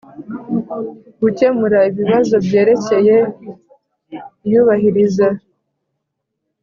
gukemura ibibazo byerekeye iyubahiriza